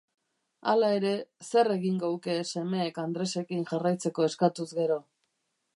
Hala ere, zer egingo huke semeek Andresekin jarraitzeko eskatuz gero?